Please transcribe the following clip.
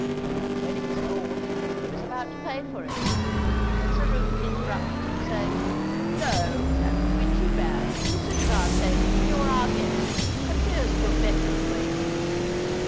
When it was brought, he was about to pay for it; but Sir Rupert interrupted him, saying, "No—that would be too bad. If you sit at our table, you are our guest;—and here's to a better acquaintance."